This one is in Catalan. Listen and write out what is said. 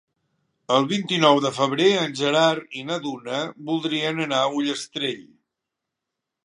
El vint-i-nou de febrer en Gerard i na Duna voldrien anar a Ullastrell.